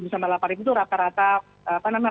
sampai delapan itu rata rata apa namanya